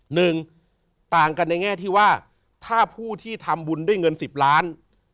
หนึ่งต่างกันในแง่ที่ว่าถ้าผู้ที่ทำบุญด้วยเงินสิบล้าน